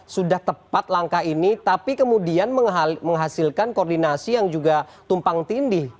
sudah tepat langkah ini tapi kemudian menghasilkan koordinasi yang juga tumpang tindih